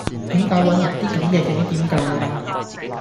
點解搵埋啲咁既景點嫁